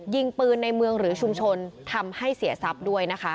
ยิงปืนในเมืองหรือชุมชนทำให้เสียทรัพย์ด้วยนะคะ